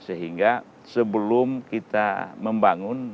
sehingga sebelum kita membangun kita harus membangun